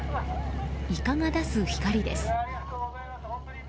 イカが出す光です。